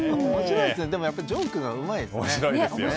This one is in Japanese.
でも、ジョークがうまいですね。